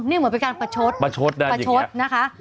นี่เหมือนเป็นการประชดประชดประชดนะคะ